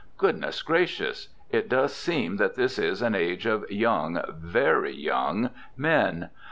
Goodness gracious! It does seem that this is an age of young, very young, men.